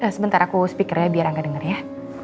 sebentar aku speaker ya biar angga denger ya